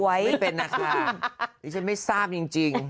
ไม่เป็นนะคะดิฉันไม่ทราบจริง